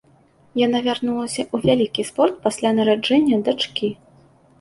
Яна вярнулася ў вялікі спорт пасля нараджэння дачкі.